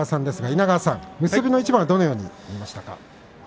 稲川さん、結びの一番はどのようにご覧になりましたか？